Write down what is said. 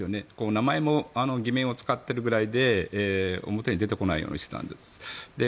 名前も偽名を使っているぐらいで表に出てこないような人たちなんです。